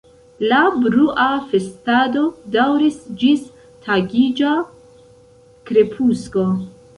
La brua festado daŭris ĝis tagiĝa krepusko.